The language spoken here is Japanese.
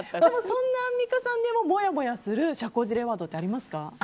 そんなアンミカさんでももやもやする社交辞令ワードは？あります。